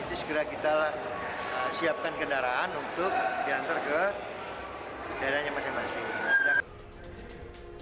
itu segera kita siapkan kendaraan untuk diantar ke daerahnya masing masing